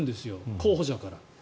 候補者から。